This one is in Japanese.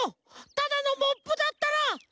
ただのモップだったら！